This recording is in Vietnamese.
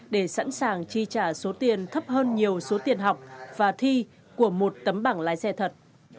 để sẵn sàng chi trả số tiền thấp hơn nhiều số tiền học và thi của một tấm bảng lái xe thật